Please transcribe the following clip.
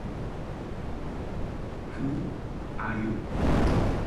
Coal mining was once a major industry in Mahaska County.